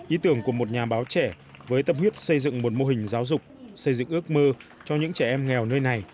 ý tưởng của một nhà báo trẻ với tâm huyết xây dựng một mô hình giáo dục xây dựng ước mơ cho những trẻ em nghèo nơi này